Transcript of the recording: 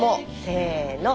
せの！